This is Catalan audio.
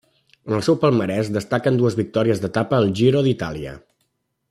En el seu palmarès destaquen dues victòries d'etapa al Giro d'Itàlia.